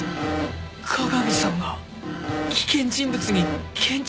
加賀美さんが危険人物に検知されました。